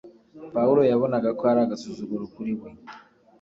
Pawulo yabonaga ko ari agasuzuguro kuri we